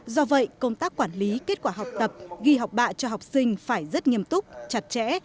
do vậy công tác quản lý kết quả học tập ghi học bạ cho học sinh phải rất nghiêm túc chặt chẽ